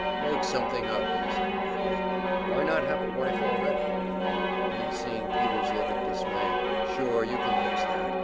"Make something up," said McGivney. "Why not have a wife already?" Then, seeing Peter's look of dismay: "Sure, you can fix that.